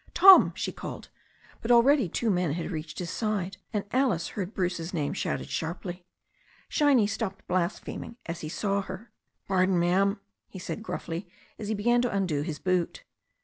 "Tom," she called. But already two men had reached his side, and Alice heard Bruce's name shouted sharply. Shiny stopped blaspheming as he saw her. "Pardon, ma'am," he said gruffly, as he began to undo his boot.